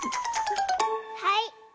はい！